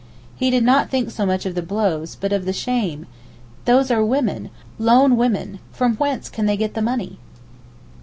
He did not think so much of the blows, but of the 'shame'; 'those are women, lone women, from whence can they get the money?